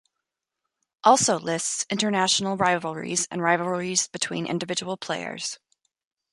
Also lists international rivalries and rivalries between individual players.